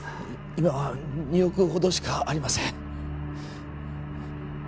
今は２億ほどしかありません